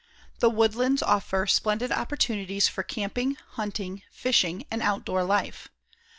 The woodlands offer splendid opportunities for camping, hunting, fishing and outdoor life.